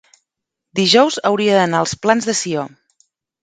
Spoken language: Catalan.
dijous hauria d'anar als Plans de Sió.